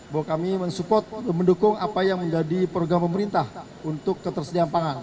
bahwa kami mensupport mendukung apa yang menjadi program pemerintah untuk ketersediaan pangan